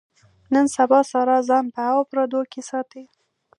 نن سبا ساره ځان په اوو پردو کې ساتي.